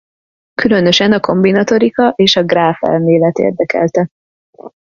Különösen a kombinatorika és a gráfelmélet érdekelte.